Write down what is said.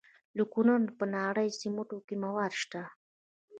د کونړ په ناړۍ کې د سمنټو مواد شته.